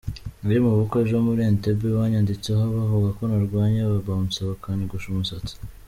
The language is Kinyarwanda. Nari mu bukwe ejo muri Entebbe, banyanditseho bavuga ko narwanye ,aba bouncers bakanyogosha umusatsi.